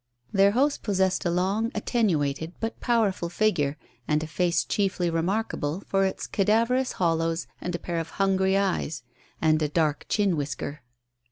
Their host possessed a long, attenuated, but powerful figure, and a face chiefly remarkable for its cadaverous hollows and a pair of hungry eyes and a dark chin whisker.